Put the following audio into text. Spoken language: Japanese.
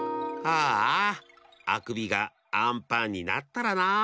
ああくびがあんパンになったらなあ。